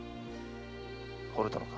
惚れたのか？